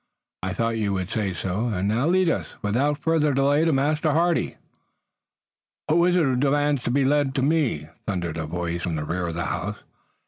"I thought you would say so, and now lead us, without further delay, to Master Hardy." "Who is it who demands to be led to me?" thundered a voice from the rear of the house.